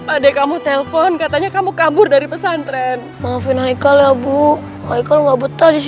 adek kamu telepon katanya kamu kabur dari pesantren maafin aikal ya bu aikal nggak betah